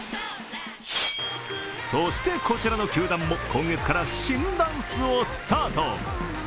そしてこちらの球団も今月から新ダンスをスタート。